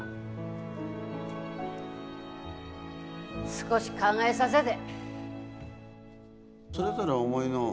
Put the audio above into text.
少し考えさせで。